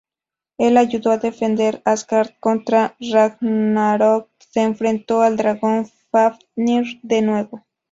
Él ayudó a defender Asgard contra Ragnarok.Se enfrentó al dragón Fafnir de nuevo.